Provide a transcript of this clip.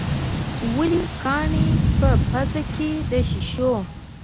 ولې کاڼي په پزه کې د شېشو.